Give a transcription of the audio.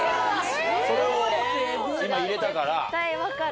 それを今入れたから。